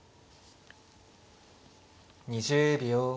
２０秒。